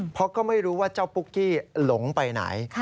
เพราะก็ไม่รู้ว่าเจ้าปุ๊กกี้หลงไปไหน